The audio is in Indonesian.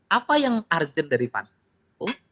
apa yang urgent dari pansel itu